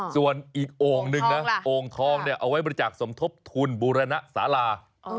ส่วนอีกโอ่งหนึ่งนะโอ่งทองเนี่ยเอาไว้บริจาคสมทบทุนบูรณสารา